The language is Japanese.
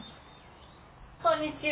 こんにちは。